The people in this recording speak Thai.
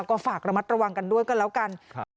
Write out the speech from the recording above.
ก็ฝากระมัดระวังกันด้วยกันแล้วกัน